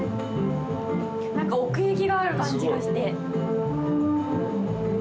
何か奥行きがある感じがして。